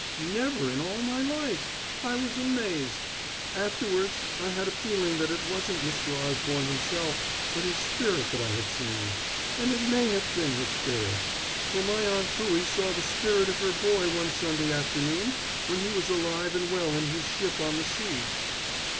"Never in all my life! I was amazed. Afterwards I had a feeling that it wasn't Mr. Osborne himself, but his spirit that I had seen. And it may have been his spirit! For my Aunt Pruie saw the spirit of her boy one Sunday afternoon when he was alive and well in his ship on the sea."